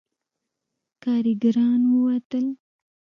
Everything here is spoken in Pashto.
کارګران ووتل.